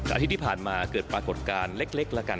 อาทิตย์ที่ผ่านมาเกิดปรากฏการณ์เล็กละกัน